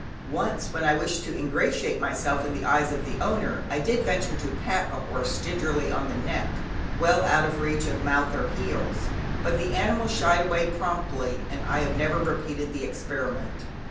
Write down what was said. Once, when I wished to ingratiate myself in the eyes of the owner, I did venture to pat a horse gingerly on the neck, well out of reach of mouth or heels, but the animal shied away promptly, and I have never repeated the experiment.